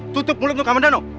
tutup mulutmu kamendano